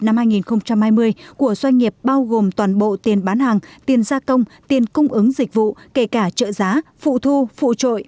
năm hai nghìn hai mươi của doanh nghiệp bao gồm toàn bộ tiền bán hàng tiền gia công tiền cung ứng dịch vụ kể cả trợ giá phụ thu phụ trội